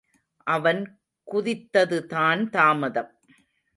அவன் குதித்ததுதான் தாமதம்.